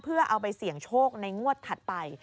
เพื่อเอาไปเสี่ยงโชคในงวดถัดไป